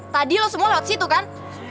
tadi loh semua lewat situ kan